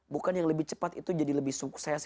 bukan yang lebih cepat itu jadi lebih sukses